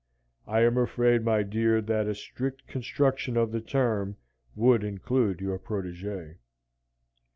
I am afraid, my dear, that a strict construction of the term would include your protegee."